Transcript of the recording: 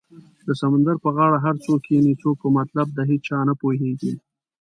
د سمندر په غاړه هر څوک کینې څوک په مطلب د هیچا نه پوهیږې